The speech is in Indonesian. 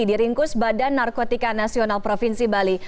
diringkus badan narkotika nasional provinsi bali